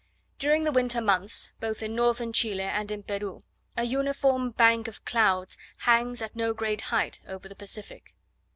During the winter months, both in northern Chile and in Peru, a uniform bank of clouds hangs, at no great height, over the Pacific.